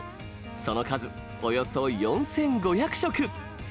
その数、およそ４５００色。